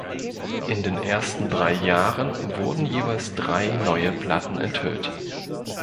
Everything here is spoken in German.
In den ersten drei Jahren wurden jeweils drei neue Platten enthüllt.